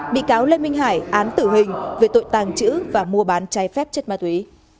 bị cáo lê minh hải án tử hình về tội tàng trữ và mua bán trái phép chất ma túy